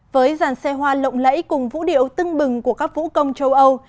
với dàn xe hoa lộng lẫy cùng vũ điệu tưng bừng của các vũ công châu âu